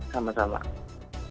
terima kasih sama sama